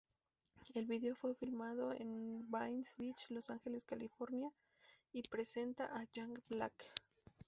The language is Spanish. El video fue filmado en Venice Beach, Los Ángeles, California—y presenta a Jack Black.